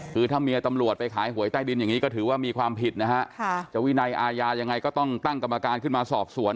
คือถ้าเมียตำรวจไปขายหวยใต้ดินอย่างนี้ก็ถือว่ามีความผิดนะฮะจะวินัยอาญายังไงก็ต้องตั้งกรรมการขึ้นมาสอบสวน